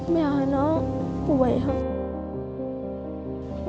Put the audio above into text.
ไม่อยากให้น้องป่วยครับ